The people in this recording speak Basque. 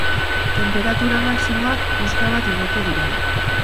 Tenperatura maximoak koska bat igoko dira.